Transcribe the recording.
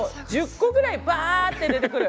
１０個ぐらいバッて出てくる。